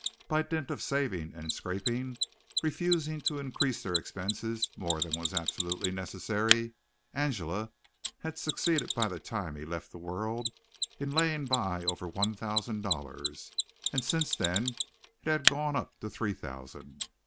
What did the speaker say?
By dint of saving and scraping, refusing to increase their expenses more than was absolutely necessary, Angela had succeeded by the time he left the World in laying by over one thousand dollars, and since then it had gone up to three thousand.